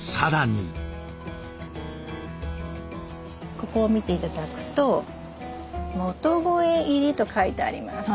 ここを見て頂くと「元肥入り」と書いてあります。